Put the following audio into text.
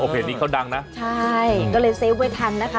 เพจนี้เขาดังนะใช่ก็เลยเซฟไว้ทันนะคะ